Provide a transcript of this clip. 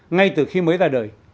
ngay từ khi mới ra đời